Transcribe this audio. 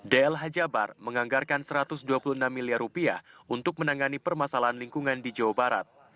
dlh jabar menganggarkan satu ratus dua puluh enam miliar rupiah untuk menangani permasalahan lingkungan di jawa barat